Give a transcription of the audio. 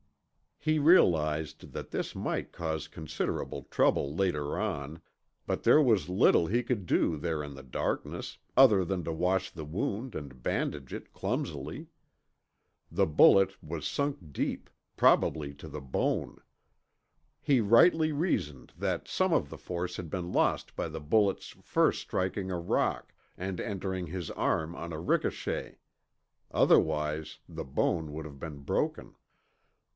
He realized that this might cause considerable trouble later on, but there was little he could do there in the darkness, other than to wash the wound and bandage it clumsily. The bullet was sunk deep, probably to the bone. He rightly reasoned that some of the force had been lost by the bullet's first striking a rock, and entering his arm on a ricochet. Otherwise the bone would have been broken.